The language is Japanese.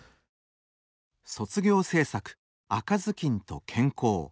卒業制作「赤ずきんと健康」。